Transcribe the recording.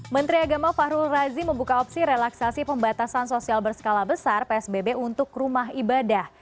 menteri agama fahrul razi membuka opsi relaksasi pembatasan sosial berskala besar psbb untuk rumah ibadah